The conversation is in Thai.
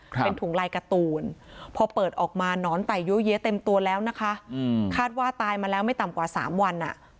เป็นถุงลายการ์ตูนพอเปิดออกมาหนอนไต่ยั้วเย้เต็มตัวแล้วนะคะอืมคาดว่าตายมาแล้วไม่ต่ำกว่าสามวันอ่ะ